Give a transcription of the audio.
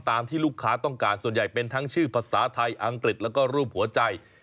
ที่ลูกค้าต้องการส่วนใหญ่เป็นทั้งชื่อภาษาไทยอังกฤษแล้วก็รูปหัวใจ